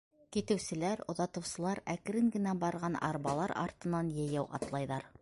Китеүселәр, оҙатыусылар әкрен генә барған арбалар артынан йәйәү атлайҙар.